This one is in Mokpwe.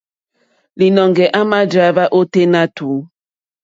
Līnɔ̄ŋgɛ̄ à mà dráíhwá ôténá tùú.